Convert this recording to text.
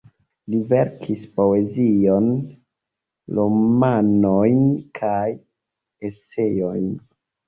Li verkis poezion, romanojn kaj eseojn.